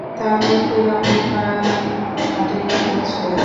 তারপর ফিরআউনের বাড়ির ঘাটে গিয়ে পৌঁছলেন।